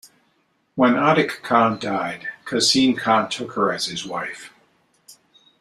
When Adik Khan died, Kasym Khan took her as his wife.